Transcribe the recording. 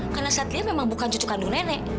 karena satria memang bukan cucu kandung nenek